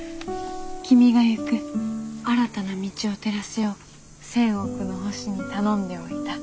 「君が行く新たな道を照らすよう千億の星に頼んでおいた」。